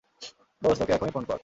দোস্ত, ওকে এখুনি ফোন কর।